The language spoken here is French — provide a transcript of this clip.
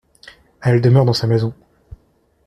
Elle demeure dans sa maison.